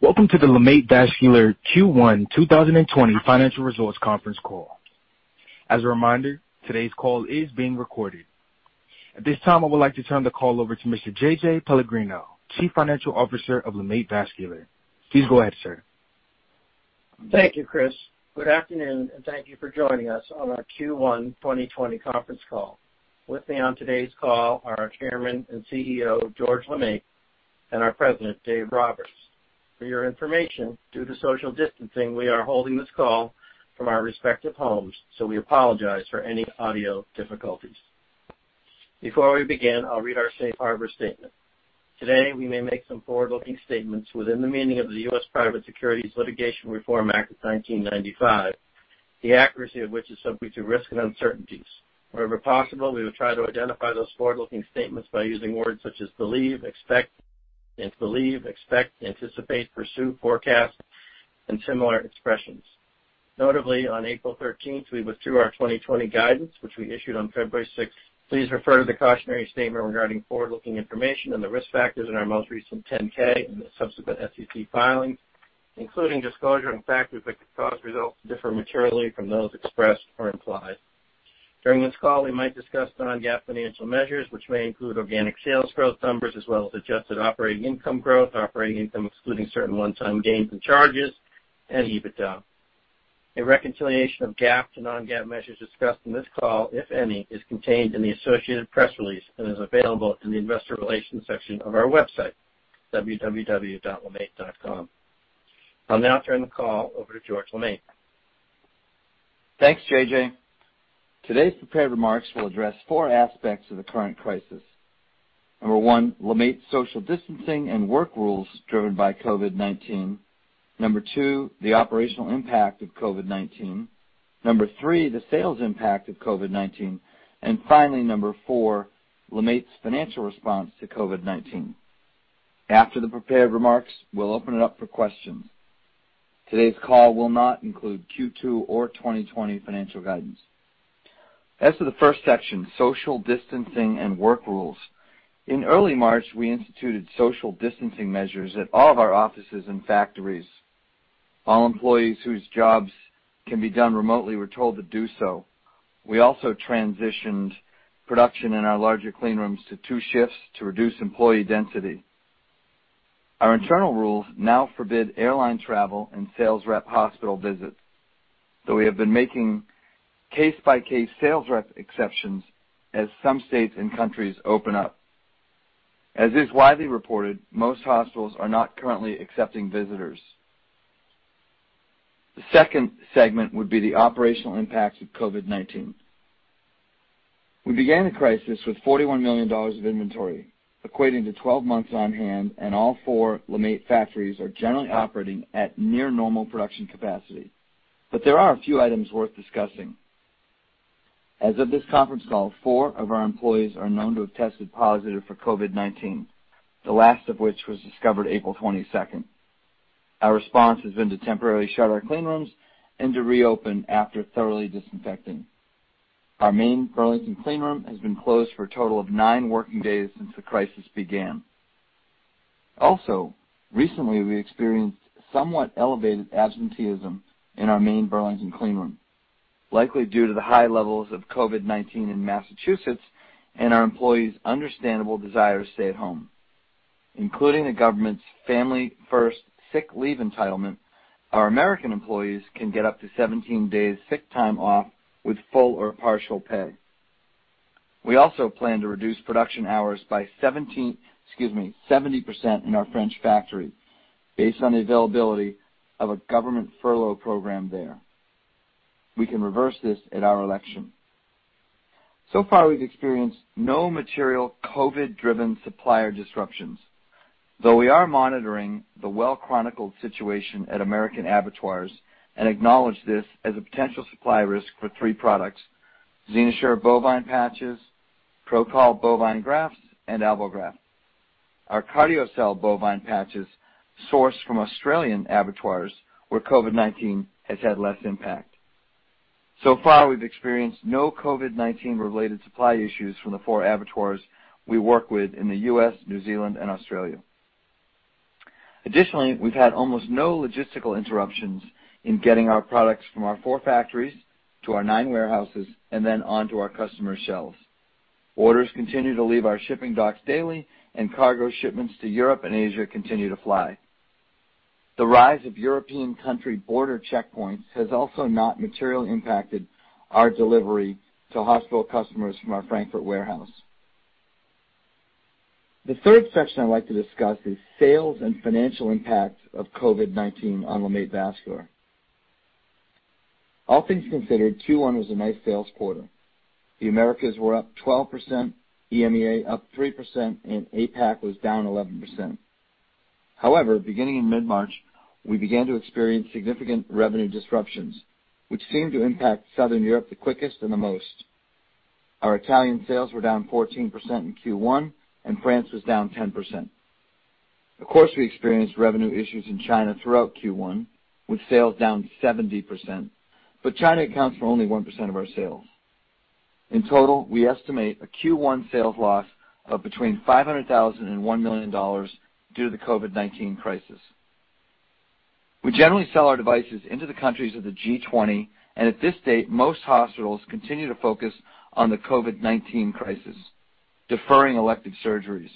Welcome to the LeMaitre Vascular Q1 2020 financial results conference call. As a reminder, today's call is being recorded. At this time, I would like to turn the call over to Mr. J.J. Pellegrino, Chief Financial Officer of LeMaitre Vascular. Please go ahead, sir. Thank you, Chris. Good afternoon, and thank you for joining us on our Q1 2020 conference call. With me on today's call are our Chairman and CEO, George LeMaitre, and our President, Dave Roberts. For your information, due to social distancing, we are holding this call from our respective homes, so we apologize for any audio difficulties. Before we begin, I'll read our safe harbor statement. Today, we may make some forward-looking statements within the meaning of the U.S. Private Securities Litigation Reform Act of 1995, the accuracy of which is subject to risks and uncertainties. Wherever possible, we will try to identify those forward-looking statements by using words such as believe, expect, anticipate, pursue, forecast, and similar expressions. Notably, on April 13th, we withdrew our 2020 guidance, which we issued on February sixth. Please refer to the cautionary statement regarding forward-looking information and the risk factors in our most recent 10-K and the subsequent SEC filings, including disclosure on factors that could cause results to differ materially from those expressed or implied. During this call, we might discuss non-GAAP financial measures, which may include organic sales growth numbers, as well as adjusted operating income growth, operating income excluding certain one-time gains and charges, and EBITDA. A reconciliation of GAAP to non-GAAP measures discussed in this call, if any, is contained in the associated press release and is available in the investor relations section of our website, www.lemaitre.com. I'll now turn the call over to George LeMaitre. Thanks, J.J. Today's prepared remarks will address four aspects of the current crisis. Number one, LeMaitre social distancing and work rules driven by COVID-19. Number two, the operational impact of COVID-19. Number three, the sales impact of COVID-19. Finally, number four, LeMaitre's financial response to COVID-19. After the prepared remarks, we'll open it up for questions. Today's call will not include Q2 or 2020 financial guidance. As to the first section, social distancing and work rules. In early March, we instituted social distancing measures at all of our offices and factories. All employees whose jobs can be done remotely were told to do so. We also transitioned production in our larger clean rooms to two shifts to reduce employee density. Our internal rules now forbid airline travel and sales rep hospital visits, though we have been making case-by-case sales rep exceptions as some states and countries open up. As is widely reported, most hospitals are not currently accepting visitors. The second segment would be the operational impacts of COVID-19. We began the crisis with $41 million of inventory, equating to 12 months on-hand, and all four LeMaitre factories are generally operating at near normal production capacity. There are a few items worth discussing. As of this conference call, four of our employees are known to have tested positive for COVID-19, the last of which was discovered April 22nd. Our response has been to temporarily shut our clean rooms and to reopen after thoroughly disinfecting. Our main Burlington clean room has been closed for a total of nine working days since the crisis began. Recently, we experienced somewhat elevated absenteeism in our main Burlington clean room, likely due to the high levels of COVID-19 in Massachusetts and our employees' understandable desire to stay at home. Including the government's Families First sick leave entitlement, our U.S. employees can get up to 17 days sick time off with full or partial pay. We also plan to reduce production hours by 70% in our French factory based on the availability of a government furlough program there. We can reverse this at our election. Far, we've experienced no material COVID-driven supplier disruptions, though we are monitoring the well-chronicled situation at U.S. abattoirs and acknowledge this as a potential supply risk for three products: XenoSure bovine patches, ProCol bovine grafts, and AlboGraft. Our CardioCel bovine patches source from Australian abattoirs, where COVID-19 has had less impact. Far, we've experienced no COVID-19 related supply issues from the four abattoirs we work with in the U.S., New Zealand, and Australia. Additionally, we've had almost no logistical interruptions in getting our products from our four factories to our nine warehouses and then onto our customers' shelves. Orders continue to leave our shipping docks daily, and cargo shipments to Europe and Asia continue to fly. The rise of European country border checkpoints has also not materially impacted our delivery to hospital customers from our Frankfurt warehouse. The third section I'd like to discuss is sales and financial impacts of COVID-19 on LeMaitre Vascular. All things considered, Q1 was a nice sales quarter. The Americas were up 12%, EMEA up three percent, and APAC was down 11%. Beginning in mid-March, we began to experience significant revenue disruptions, which seemed to impact Southern Europe the quickest and the most. Our Italian sales were down 14% in Q1, and France was down 10%. Of course, we experienced revenue issues in China throughout Q1, with sales down 70%, but China accounts for only one percent of our sales. In total, we estimate a Q1 sales loss of between $500,000 and $1 million due to the COVID-19 crisis. We generally sell our devices into the countries of the G20, and at this date, most hospitals continue to focus on the COVID-19 crisis, deferring elective surgeries.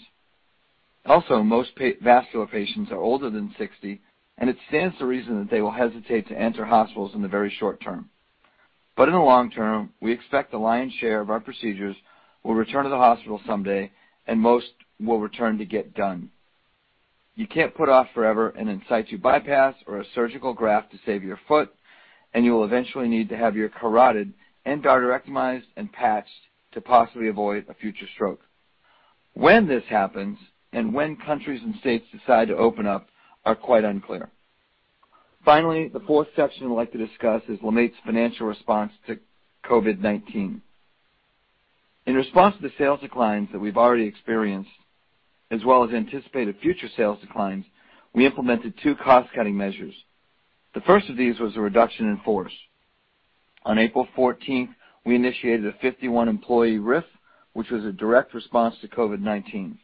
Also, most vascular patients are older than 60, and it stands to reason that they will hesitate to enter hospitals in the very short term. In the long term, we expect the lion's share of our procedures will return to the hospital someday, and most will return to get done. You can't put off forever an in-situ bypass or a surgical graft to save your foot, and you will eventually need to have your carotid endarterectomized and patched to possibly avoid a future stroke. When this happens and when countries and states decide to open up are quite unclear. Finally, the fourth section I'd like to discuss is LeMaitre's financial response to COVID-19. In response to the sales declines that we've already experienced, as well as anticipated future sales declines, we implemented two cost-cutting measures. The first of these was a reduction in force. On April 14th, we initiated a 51-employee RIF, which was a direct response to COVID-19.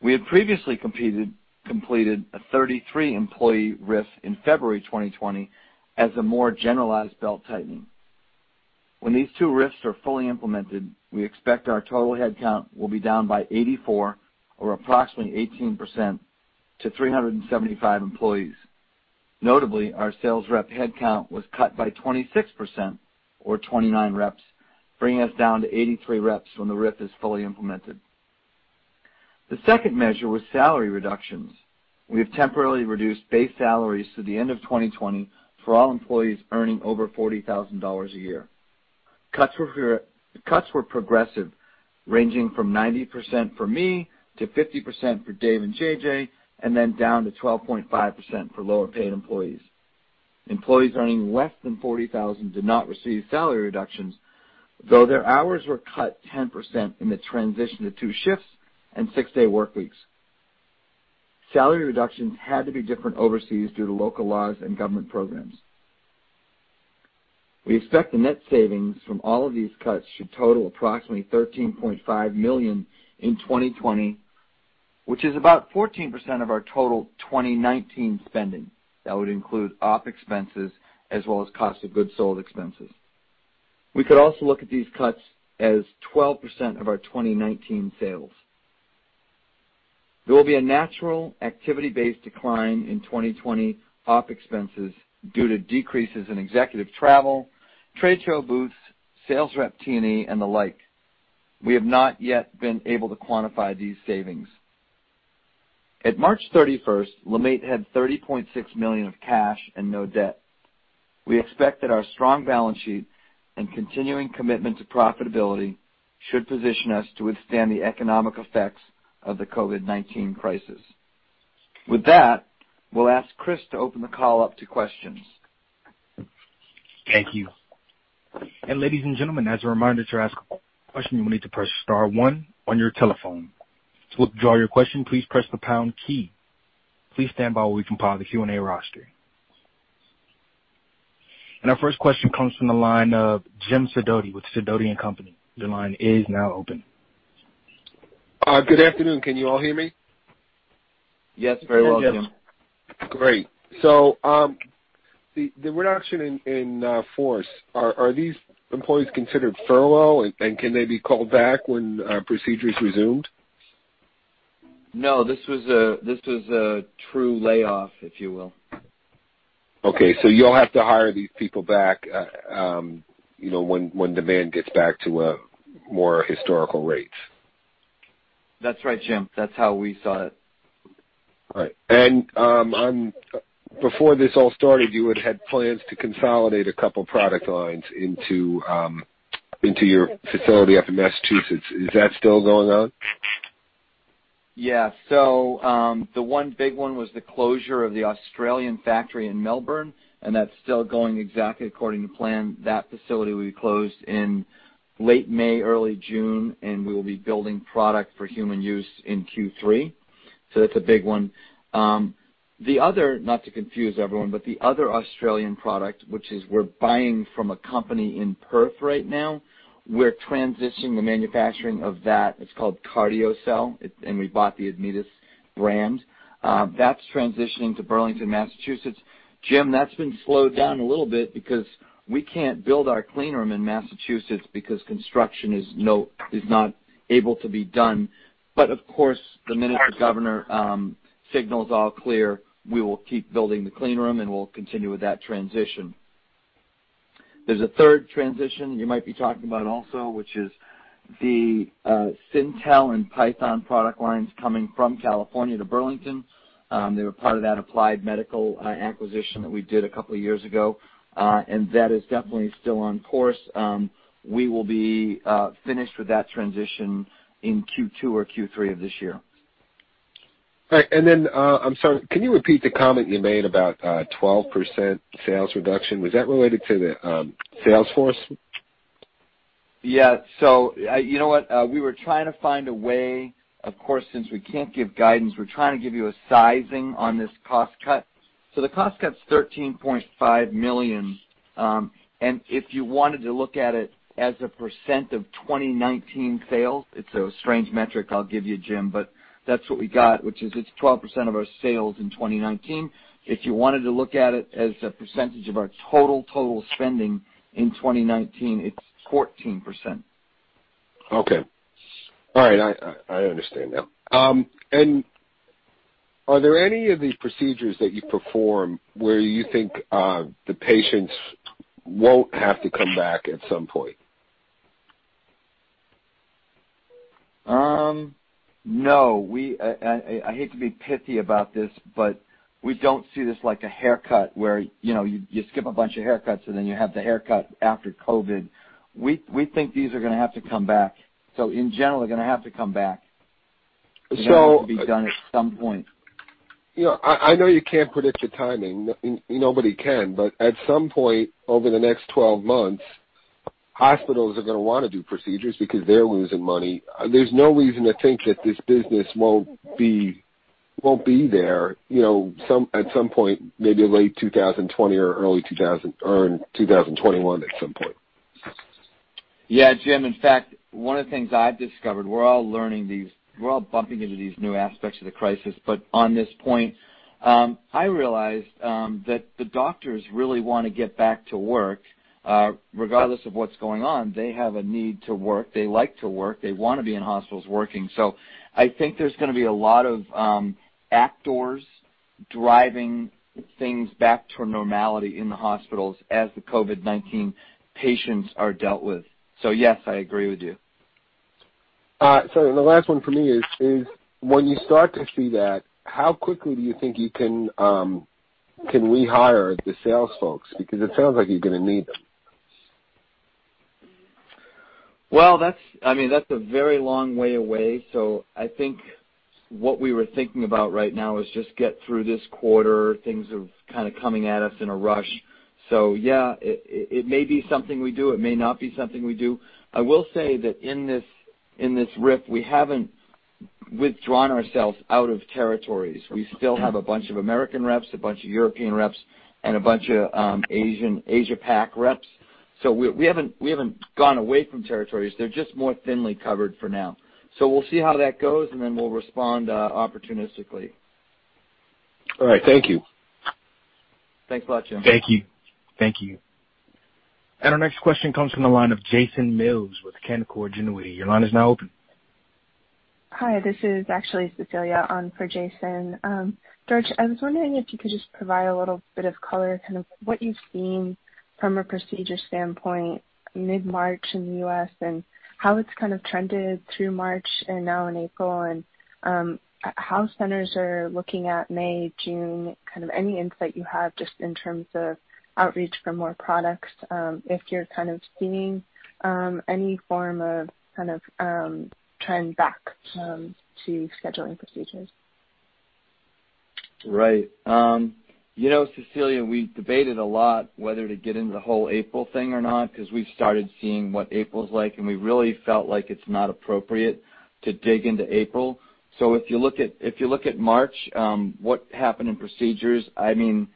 We had previously completed a 33-employee RIF in February 2020 as a more generalized belt-tightening. When these two RIFs are fully implemented, we expect our total headcount will be down by 84 or approximately 18% to 375 employees. Notably, our sales rep headcount was cut by 26% or 29 reps, bringing us down to 83 reps when the RIF is fully implemented. The second measure was salary reductions. We have temporarily reduced base salaries to the end of 2020 for all employees earning over $40,000 a year. Cuts were progressive, ranging from 90% for me to 50% for Dave and J.J., and then down to 12.5% for lower-paid employees. Employees earning less than $40,000 did not receive salary reductions, though their hours were cut 10% in the transition to two shifts and six-day workweeks. Salary reductions had to be different overseas due to local laws and government programs. We expect the net savings from all of these cuts should total approximately $13.5 million in 2020, which is about 14% of our total 2019 spending. That would include op expenses as well as cost of goods sold expenses. We could also look at these cuts as 12% of our 2019 sales. There will be a natural activity-based decline in 2020 op expenses due to decreases in executive travel, trade show booths, sales rep T&E, and the like. We have not yet been able to quantify these savings. At March 31st, LeMaitre had $30.6 million of cash and no debt. We expect that our strong balance sheet and continuing commitment to profitability should position us to withstand the economic effects of the COVID-19 crisis. With that, we'll ask Chris to open the call up to questions. Thank you. Ladies and gentlemen, as a reminder to ask a question, you will need to press star one on your telephone. To withdraw your question, please press the pound key. Please stand by while we compile the Q&A roster. Our first question comes from the line of Jim Sidoti with Sidoti & Company. Your line is now open. Good afternoon. Can you all hear me? Yes, very well, Jim. Great. The reduction in force, are these employees considered furlough, and can they be called back when procedures resumed? No, this was a true layoff, if you will. Okay. You'll have to hire these people back when demand gets back to a more historical rate. That's right, Jim. That's how we saw it. Right. Before this all started, you had had plans to consolidate a couple product lines into your facility up in Massachusetts. Is that still going on? Yeah. The one big one was the closure of the Australian factory in Melbourne, and that's still going exactly according to plan. That facility will be closed in late May, early June, and we will be building product for human use in Q3. Not to confuse everyone, the other Australian product, which is we're buying from a company in Perth right now, we're transitioning the manufacturing of that. It's called CardioCel, and we bought the Admedus brand. That's transitioning to Burlington, Massachusetts. Jim, that's been slowed down a little bit because we can't build our clean room in Massachusetts because construction is not able to be done. Of course, the minute the governor signals all clear, we will keep building the clean room and we'll continue with that transition. There's a third transition you might be talking about also, which is the Syntel and Python product lines coming from California to Burlington. They were part of that Applied Medical acquisition that we did a couple of years ago. That is definitely still on course. We will be finished with that transition in Q2 or Q3 of this year. Right. Then I'm sorry, can you repeat the comment you made about 12% sales reduction? Was that related to the sales force? Yeah. You know what? We were trying to find a way, of course, since we can't give guidance, we're trying to give you a sizing on this cost cut. The cost cut's $13.5 million. If you wanted to look at it as a percent of 2019 sales, it's a strange metric I'll give you, Jim, but that's what we got, which is it's 12% of our sales in 2019. If you wanted to look at it as a percentage of our total spending in 2019, it's 14%. Okay. All right. I understand now. Are there any of these procedures that you perform where you think the patients won't have to come back at some point? No. I hate to be pithy about this, we don't see this like a haircut where you skip a bunch of haircuts, and then you have the haircut after COVID. We think these are going to have to come back. In general, they are going to have to come back. So- They're going to have to be done at some point. I know you can't predict the timing. Nobody can. At some point over the next 12 months, hospitals are going to want to do procedures because they're losing money. There's no reason to think that this business won't be there at some point, maybe late 2020 or early 2021 at some point. Yeah, Jim. In fact, one of the things I've discovered, we're all bumping into these new aspects of the crisis, but on this point, I realized that the doctors really want to get back to work. Regardless of what's going on, they have a need to work. They like to work. They want to be in hospitals working. I think there's going to be a lot of actors driving things back to normality in the hospitals as the COVID-19 patients are dealt with. Yes, I agree with you. The last one from me is, when you start to see that, how quickly do you think you can rehire the sales folks? Because it sounds like you're going to need them. Well, that's a very long way away. I think what we were thinking about right now is just get through this quarter. Things are kind of coming at us in a rush. Yeah, it may be something we do. It may not be something we do. I will say that in this RIF, we haven't withdrawn ourselves out of territories. We still have a bunch of American reps, a bunch of European reps, and a bunch of Asia Pac reps. We haven't gone away from territories. They're just more thinly covered for now. We'll see how that goes, and then we'll respond opportunistically. All right. Thank you. Thanks a lot, Jim. Thank you. Thank you. Our next question comes from the line of Jason Mills with Canaccord Genuity. Your line is now open. Hi, this is actually Cecilia on for Jason. George, I was wondering if you could just provide a little bit of color, kind of what you've seen from a procedure standpoint mid-March in the U.S., and how it's kind of trended through March and now in April, and how centers are looking at May, June. Kind of any insight you have just in terms of outreach for more products, if you're kind of seeing any form of kind of trend back to scheduling procedures. Right. Cecilia, we debated a lot whether to get into the whole April thing or not because we've started seeing what April's like, and we really felt like it's not appropriate to dig into April. If you look at March, what happened in procedures, I'm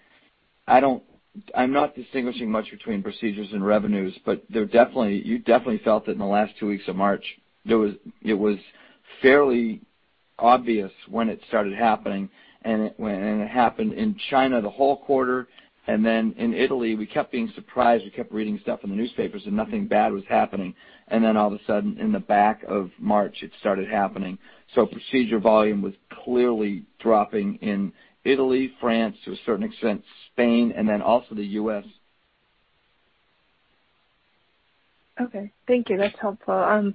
not distinguishing much between procedures and revenues, but you definitely felt that in the last two weeks of March it was fairly obvious when it started happening, and it happened in China the whole quarter. In Italy, we kept being surprised. We kept reading stuff in the newspapers, and nothing bad was happening. All of a sudden, in the back of March, it started happening. Procedure volume was clearly dropping in Italy, France, to a certain extent Spain, and then also the U.S. Okay. Thank you. That's helpful. I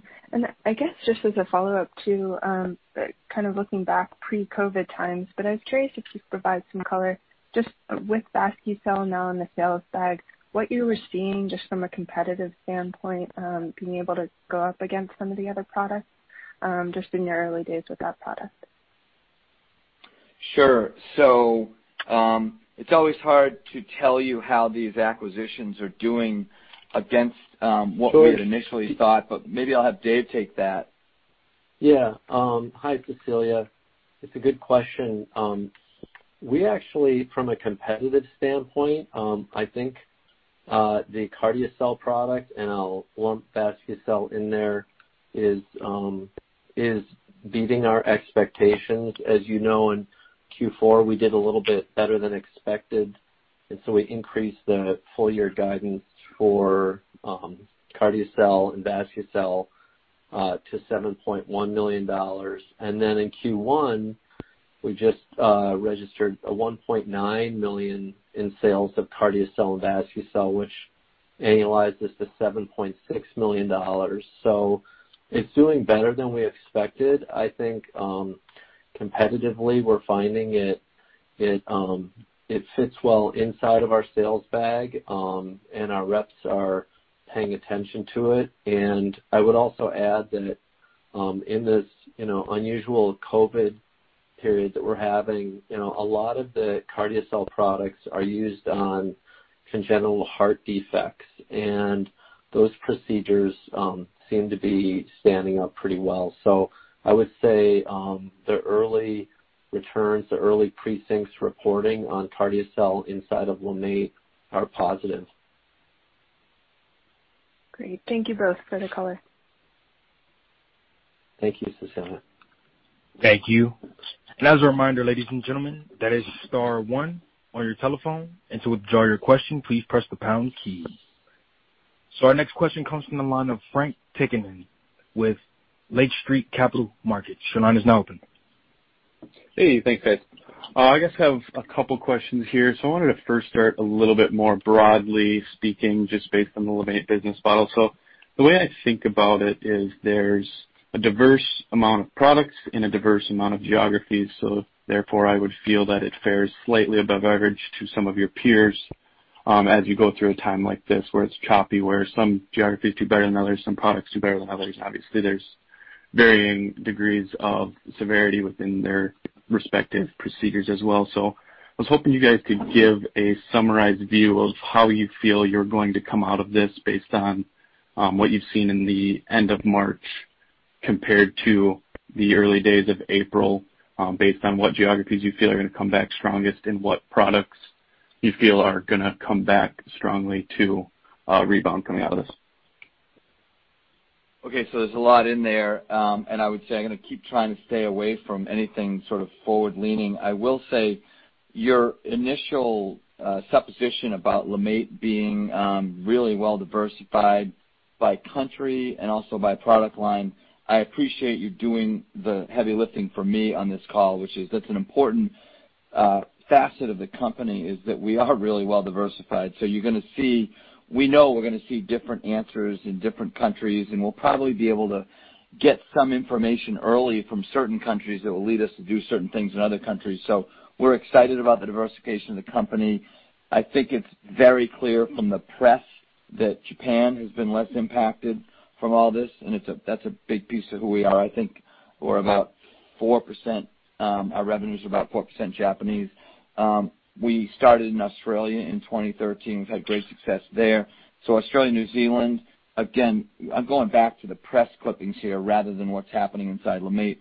guess, just as a follow-up too, kind of looking back pre-COVID times, but I was curious if you could provide some color just with VascuCel now in the sales bag, what you were seeing just from a competitive standpoint, being able to go up against some of the other products, just in your early days with that product. Sure. It's always hard to tell you how these acquisitions are doing against what we had initially thought, but maybe I'll have Dave take that. Hi, Cecilia. It's a good question. We actually, from a competitive standpoint, I think the CardioCel product, and I'll lump VascuCel in there, is beating our expectations. As you know, in Q4, we did a little bit better than expected, we increased the full-year guidance for CardioCel and VascuCel to $7.1 million. In Q1, we just registered a $1.9 million in sales of CardioCel and VascuCel, which annualizes to $7.6 million. It's doing better than we expected. I think competitively, we're finding it fits well inside of our sales bag, and our reps are paying attention to it. I would also add that in this unusual COVID period that we're having. A lot of the CardioCel products are used on congenital heart defects, and those procedures seem to be standing up pretty well. I would say, the early returns, the early precincts reporting on CardioCel inside of LeMaitre are positive. Great. Thank you both for the color. Thank you, Cecilia Thank you. As a reminder, ladies and gentlemen, that is star one on your telephone, and to withdraw your question, please press the pound key. Our next question comes from the line of Frank Takkinen with Lake Street Capital Markets. Your line is now open. Hey, thanks, guys. I just have two questions here. I wanted to first start a little bit more broadly speaking, just based on the LeMaitre business model. The way I think about it is there's a diverse amount of products in a diverse amount of geographies, therefore, I would feel that it fares slightly above average to some of your peers, as you go through a time like this, where it's choppy, where some geographies do better than others, some products do better than others. Obviously, there's varying degrees of severity within their respective procedures as well. I was hoping you guys could give a summarized view of how you feel you're going to come out of this based on what you've seen in the end of March compared to the early days of April, based on what geographies you feel are going to come back strongest and what products you feel are going to come back strongly to rebound coming out of this? Okay. There's a lot in there. I would say I'm going to keep trying to stay away from anything sort of forward leaning. I will say your initial supposition about LeMaitre being really well diversified by country and also by product line, I appreciate you doing the heavy lifting for me on this call, which is that's an important facet of the company is that we are really well diversified. We know we're going to see different answers in different countries, and we'll probably be able to get some information early from certain countries that will lead us to do certain things in other countries. We're excited about the diversification of the company. I think it's very clear from the press that Japan has been less impacted from all this, and that's a big piece of who we are. I think our revenue's about four percent Japanese. We started in Australia in 2013. We've had great success there. Australia and New Zealand, again, I'm going back to the press clippings here rather than what's happening inside LeMaitre,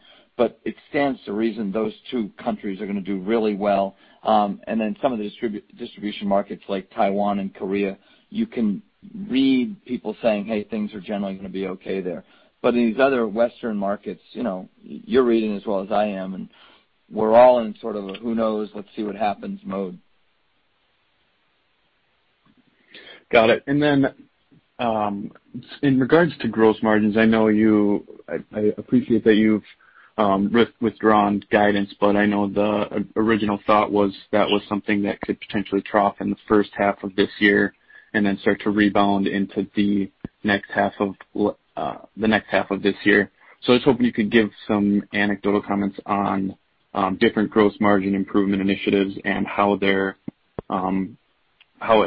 it stands to reason those two countries are going to do really well. Some of the distribution markets like Taiwan and Korea, you can read people saying, "Hey, things are generally going to be okay there." In these other Western markets, you're reading as well as I am, we're all in sort of a who knows, let's see what happens mode. Got it. In regards to gross margins, I appreciate that you've withdrawn guidance, but I know the original thought was that was something that could potentially trough in the first half of this year and then start to rebound into the next half of this year. I was hoping you could give some anecdotal comments on different gross margin improvement initiatives and how it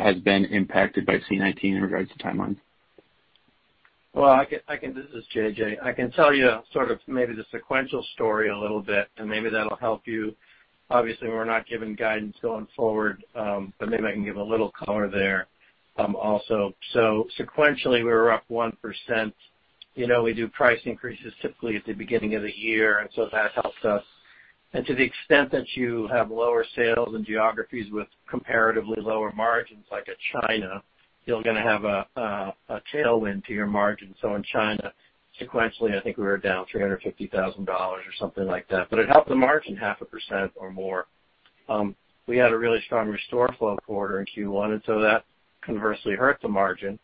has been impacted by C-19 in regards to timeline. Well, this is J.J. I can tell you sort of maybe the sequential story a little bit, and maybe that'll help you. Obviously, we're not giving guidance going forward, but maybe I can give a little color there also. Sequentially, we were up one percent. We do price increases typically at the beginning of the year, and so that helps us. And to the extent that you have lower sales in geographies with comparatively lower margins like a China, you're going to have a tailwind to your margin. In China, sequentially, I think we were down $350,000 or something like that, but it helped the margin and a half percent or more. We had a really strong RestoreFlow quarter in Q1, and so that conversely hurt the margin.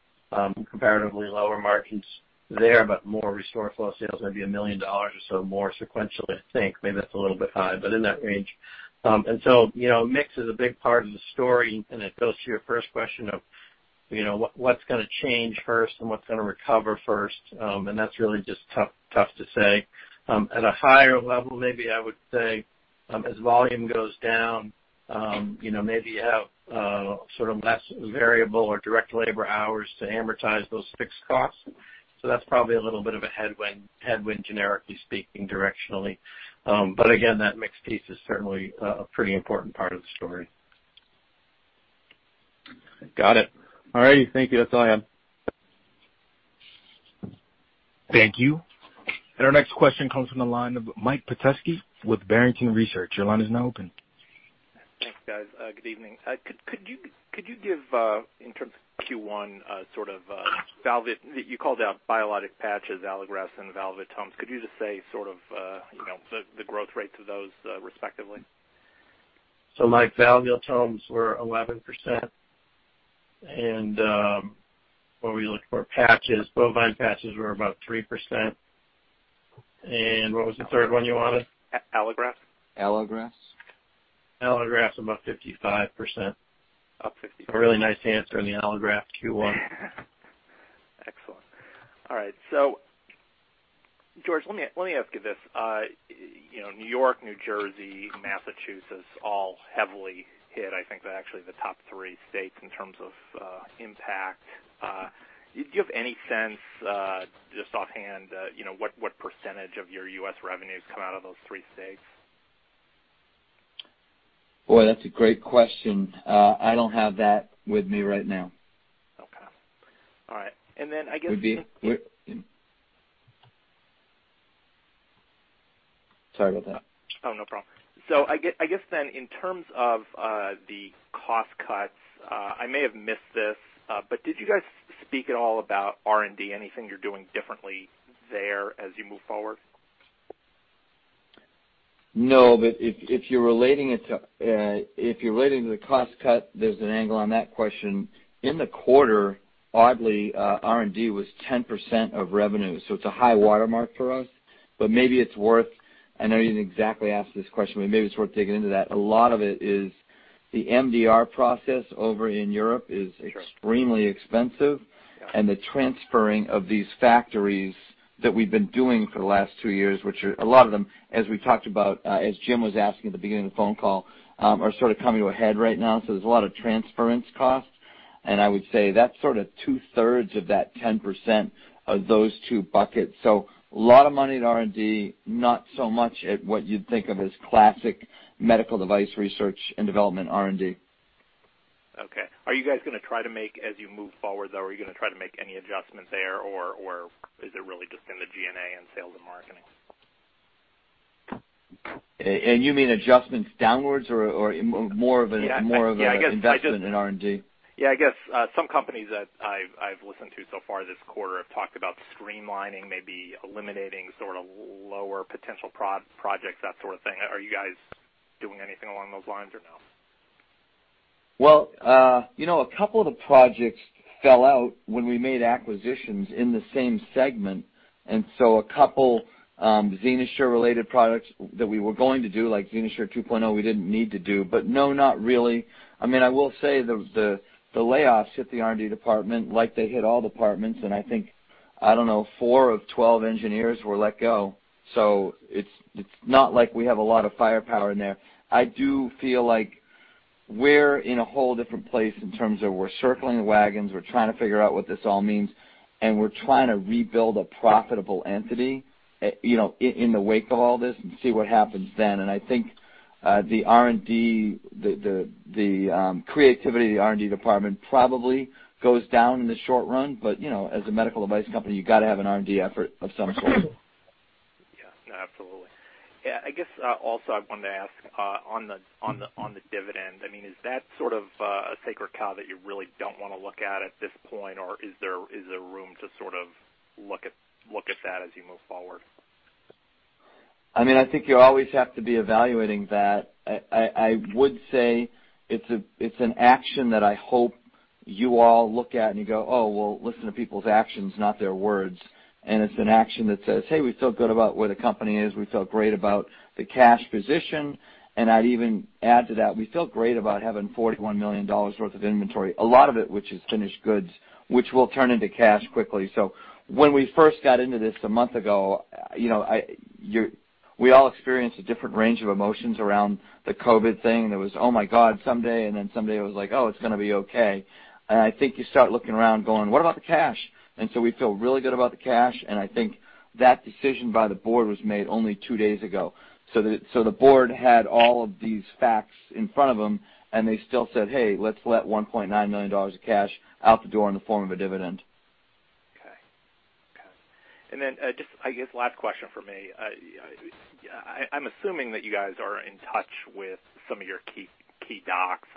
Comparatively lower margins there, but more RestoreFlow sales, maybe $1 million or so more sequentially, I think. Maybe that's a little bit high, but in that range. Mix is a big part of the story, and it goes to your first question of what's going to change first and what's going to recover first, and that's really just tough to say. At a higher level, maybe I would say, as volume goes down, maybe you have sort of less variable or direct labor hours to amortize those fixed costs. That's probably a little bit of a headwind, generically speaking, directionally. Again, that mixed piece is certainly a pretty important part of the story. Got it. All righty. Thank you. That's all I have. Thank you. Our next question comes from the line of Michael Petusky with Barrington Research. Your line is now open. Thanks, guys. Good evening. Could you give, in terms of Q1, sort of, you called out biologic patches, allograft, and valvulotomes. Could you just say sort of the growth rates of those, respectively? Mike, valvulotomes were 11%. What were we looking for? Patches. Bovine patches were about three percent. What was the third one you wanted? Allograft. Allograft. allograft's about 55%. About 50- A really nice answer in the allograft Q1. Excellent. All right. George, let me ask you this. New York, New Jersey, Massachusetts, all heavily hit. I think they're actually the top three states in terms of impact. Do you have any sense, just offhand, what percentage of your U.S. revenues come out of those three states? Boy, that's a great question. I don't have that with me right now. Okay. All right. Sorry about that. No problem. I guess then in terms of the cost cuts, I may have missed this, but did you guys speak at all about R&D, anything you're doing differently there as you move forward? No. If you're relating it to the cost cut, there's an angle on that question. In the quarter, oddly, R&D was 10% of revenue, so it's a high watermark for us. I know you didn't exactly ask this question, but maybe it's worth digging into that. A lot of it is the MDR process over in Europe is extremely expensive. The transferring of these factories that we've been doing for the last two years, which are, a lot of them, as we talked about, as Jim was asking at the beginning of the phone call, are sort of coming to a head right now. There's a lot of transference costs, and I would say that's sort of two-thirds of that 10% of those two buckets. A lot of money at R&D, not so much at what you'd think of as classic medical device research and development R&D. Okay. Are you guys going to try to make, as you move forward, though, are you going to try to make any adjustments there, or is it really just in the G&A and sales and marketing? You mean adjustments downwards or more of an investment in R&D? Yeah, I guess some companies that I've listened to so far this quarter have talked about streamlining, maybe eliminating sort of lower potential projects, that sort of thing. Are you guys doing anything along those lines or no? A couple of the projects fell out when we made acquisitions in the same segment, a couple XenoSure related products that we were going to do, like XenoSure 2.0 we didn't need to do. No, not really. I will say the layoffs hit the R&D department like they hit all departments, I think, I don't know, four of 12 engineers were let go. It's not like we have a lot of firepower in there. I do feel like we're in a whole different place in terms of we're circling the wagons, we're trying to figure out what this all means, we're trying to rebuild a profitable entity in the wake of all this and see what happens then. I think the creativity of the R&D department probably goes down in the short run. As a medical device company, you got to have an R&D effort of some sort. Yeah, absolutely. I guess, also I wanted to ask on the dividend, is that sort of a sacred cow that you really don't want to look at at this point, or is there room to sort of look at that as you move forward? I think you always have to be evaluating that. I would say it's an action that I hope you all look at and you go, "Oh, well, listen to people's actions, not their words." It's an action that says, "Hey, we feel good about where the company is. We feel great about the cash position." I'd even add to that, we feel great about having $41 million worth of inventory, a lot of it, which is finished goods, which will turn into cash quickly. When we first got into this a month ago, we all experienced a different range of emotions around the COVID thing. There was, "Oh my God," someday, and then someday it was like, "Oh, it's going to be okay." I think you start looking around going, "What about the cash?" We feel really good about the cash, and I think that decision by the board was made only two days ago. The board had all of these facts in front of them, and they still said, "Hey, let's let $1.9 million of cash out the door in the form of a dividend. Okay. Just I guess last question from me. I'm assuming that you guys are in touch with some of your key docs.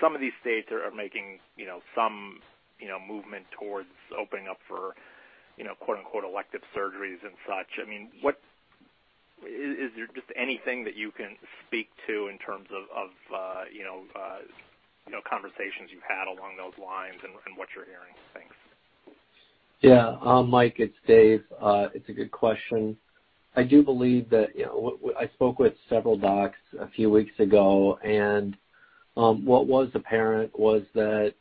Some of these states are making some movement towards opening up for "elective surgeries" and such. Is there just anything that you can speak to in terms of conversations you've had along those lines and what you're hearing and things? Mike, it's Dave. It's a good question. I spoke with several docs a few weeks ago, what was apparent was that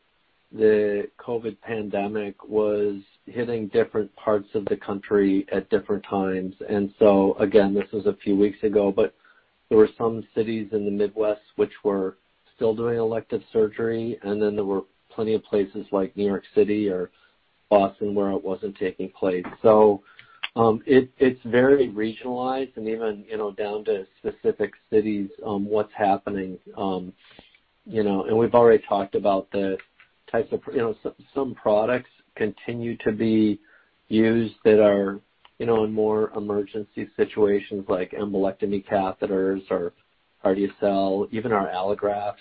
the COVID pandemic was hitting different parts of the country at different times. Again, this was a few weeks ago, but there were some cities in the Midwest which were still doing elective surgery, there were plenty of places like New York City or Boston where it wasn't taking place. It's very regionalized and even down to specific cities on what's happening. We've already talked about some products continue to be used that are in more emergency situations like embolectomy catheters or CardioCel, even our allografts.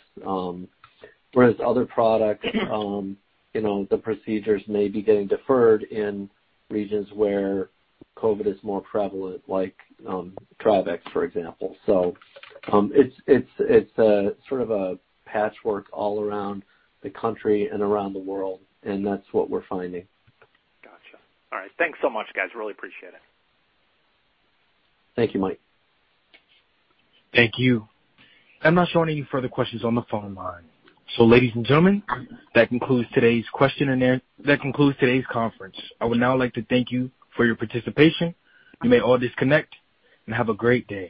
Whereas other products, the procedures may be getting deferred in regions where COVID is more prevalent, like TRIVEX, for example. It's sort of a patchwork all around the country and around the world, and that's what we're finding. Got you. All right. Thanks so much, guys. Really appreciate it. Thank you, Mike. Thank you. I'm not showing any further questions on the phone line. Ladies and gentlemen, that concludes today's conference. I would now like to thank you for your participation. You may all disconnect, and have a great day.